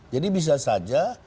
jadi bisa saja